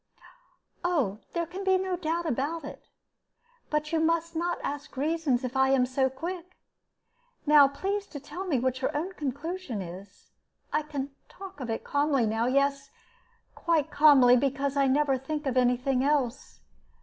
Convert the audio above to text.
"Oh, there can be no doubt about it. But you must not ask reasons, if I am so quick. Now please to tell me what your own conclusion is. I can talk of it calmly now; yes, quite calmly, because I never think of any thing else.